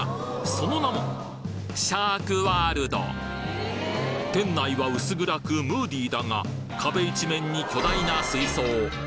その名もシャークワールド店内は薄暗くムーディーだが壁一面に巨大な水槽！